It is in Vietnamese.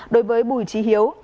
đối với bùi trí hiếu